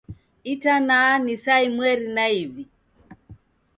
Itana ni saa imweri na iw'i.